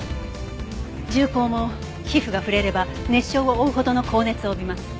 銃口も皮膚が触れれば熱傷を負うほどの高熱を帯びます。